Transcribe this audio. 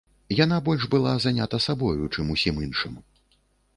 Яна больш была занята сабою, чым усім іншым.